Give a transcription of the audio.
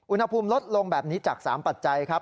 อุณหภูมิลดลงแบบนี้จาก๓ปัจจัยครับ